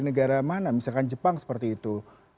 negara mana misalkan jepang seperti itu